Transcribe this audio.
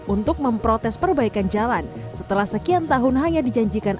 untuk memprotes perbaikan jalan setelah sekian tahun hanya dijanjikan